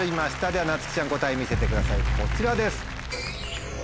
ではなつきちゃん答え見せてくださいこちらです。